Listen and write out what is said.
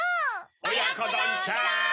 おやこどんちゃん！